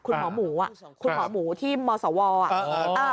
คุณหมอหมูอ่ะคุณหมอหมูที่มศวอ่ะ